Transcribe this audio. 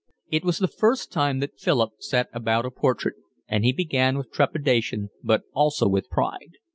It was the first time that Philip set about a portrait, and he began with trepidation but also with pride.